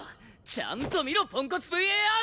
ちゃんと見ろポンコツＶＡＲ！